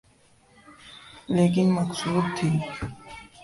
لیکن مقصود تھی۔